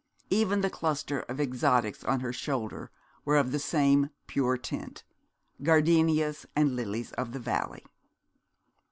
Even the cluster of exotics on her shoulder were of the same pure tint, gardenias and lilies of the valley.